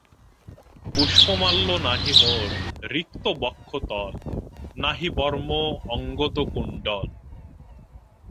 পুষ্পমাল্য নাহি মোর, রিক্ত বক্ষতল, নাহি বর্ম অঙ্গদ কুণ্ডল।